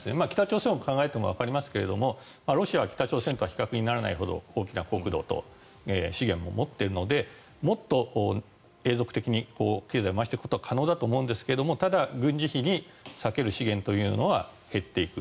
北朝鮮を考えてもわかりますがロシアは北朝鮮と比べ物にならないほど大きな国土と資源を持っているのでもっと永続的に経済を回していくことは可能だと思いますがただ、軍事費に割ける資源というのは減っていく。